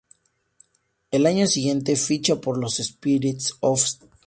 Al año siguiente ficha por los Spirits of St.